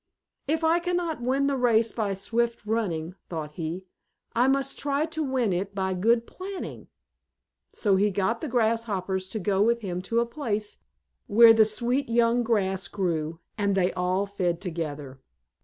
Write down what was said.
"If I cannot win the race by swift running," thought he, "I must try to win it by good planning." So he got the Grasshoppers to go with him to a place where the sweet young grass grew, and they all fed together.